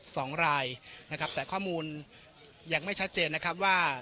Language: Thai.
สองรายนะครับแต่ข้อมูลยังไม่ชัดเจนนะครับว่า